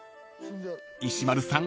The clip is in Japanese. ［石丸さん